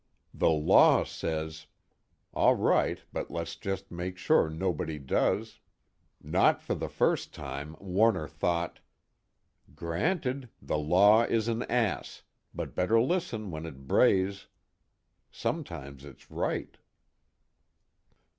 The law says: All right, but let's just make sure nobody does. Not for the first time, Warner thought: _Granted, the law is an ass; but better listen when it brays. Sometimes it's right.